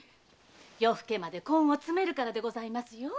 夜更けまで根を詰めるからでございますよ。